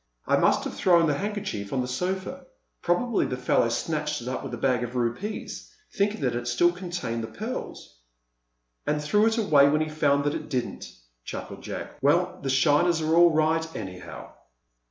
"I must have thrown the handkerchief on the sofa. Probably the fellow snatched it up with the bag of rupees, thinking that it still contained the pearls." "And threw it away when he found that it didn't," chuckled Jack. "Well, the shiners are all right, anyhow!"